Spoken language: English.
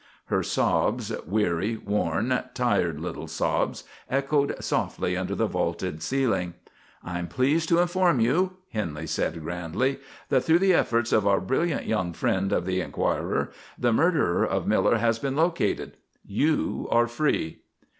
Her sobs weary, worn, tired little sobs echoed softly under the vaulted ceiling. "I am pleased to inform you," Henley said grandly, "that through the efforts of our brilliant young friend of the Enquirer, the murderer of Miller has been located. You are free."